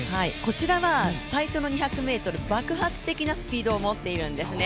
こちらは最初の２００ｍ、爆発的なスピードを持ってるんですね。